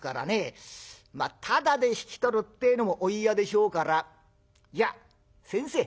まあただで引き取るってえのもお嫌でしょうからじゃあ先生